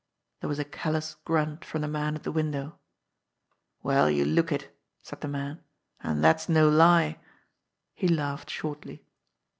There was a callous grunt from the man at the window. "Well, you look it !" said the man. "And that's no lie !" He laughed shortly.